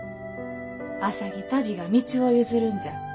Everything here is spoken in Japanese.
浅葱足袋が道を譲るんじゃ。